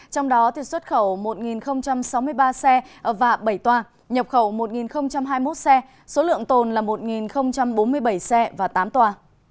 trong đó xuất khẩu một sáu mươi ba xe và bảy toa nhập khẩu một hai mươi một xe số lượng tồn là một bốn mươi bảy xe và tám toa